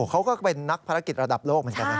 เขาก็เป็นนักภารกิจระดับโลกเหมือนกันนะ